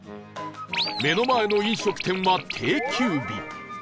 目の前の飲食店は定休日